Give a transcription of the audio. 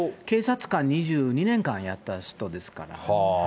警察官２２年間やった人ですから。